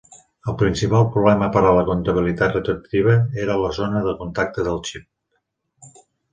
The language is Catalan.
El principal problema per a la compatibilitat retroactiva era la zona de contacte del xip.